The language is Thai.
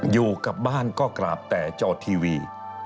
อยู่กับบ้านก็กราบแต่จอทีวี